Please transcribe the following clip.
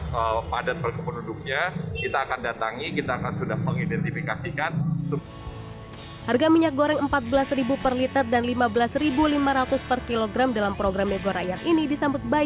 kementerian perdagangan dan kementerian bumn menunjukkan program migo rakyat hari ini